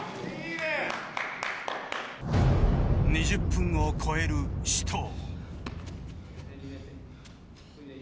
２０分を超える死闘。